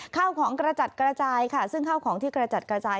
ข้าวของกระจัดกระจายค่ะซึ่งข้าวของที่กระจัดกระจาย